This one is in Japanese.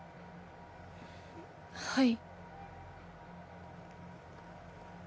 はい。